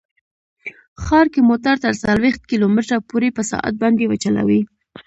ښار کې موټر تر څلوېښت کیلو متره پورې په ساعت باندې وچلوئ